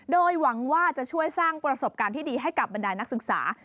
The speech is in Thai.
โดยหวังว่าจะช่วยสร้างประสบการณ์ที่ดีให้กับบรรดายนักศึกษา